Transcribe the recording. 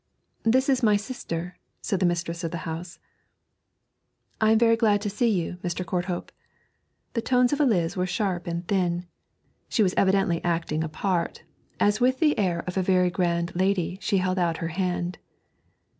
'This is my sister,' said the mistress of the house. 'I am very glad to see you, Mr. Courthope.' The tones of Eliz were sharp and thin. She was evidently acting a part, as with the air of a very grand lady she held out her hand.